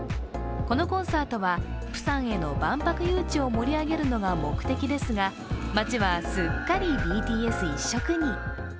このコンサートはプサンへの万博誘致を盛り上げるのが目的ですが、街はすっかりＢＴＳ一色に。